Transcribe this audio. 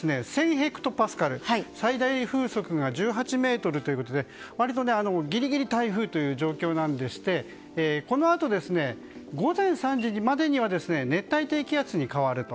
ヘクトパスカル最大風速が１８メートルということで割とギリギリ台風という状況でしてこのあと、午前３時までには熱帯低気圧に変わると。